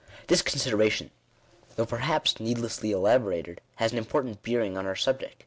This consideration, though perhaps needlessly elaborated, has an important bearing on our subject.